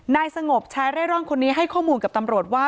นายสงบชายเร่ร่อนคนนี้ให้ข้อมูลกับตำรวจว่า